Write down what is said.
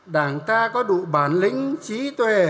đảng ta có đủ bản lĩnh trí tuệ